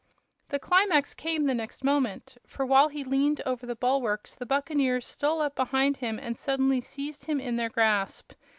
The climax came the next moment, for while he leaned over the bulwarks the buccaneers stole up behind him and suddenly seized him in their grasp.